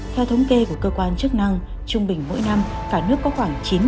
theo thống kê của cơ quan chức năng trung bình mỗi năm cả nước có khoảng một trăm linh triệu đồng